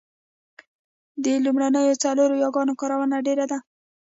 د لومړنیو څلورو یاګانو کارونه ډېره ده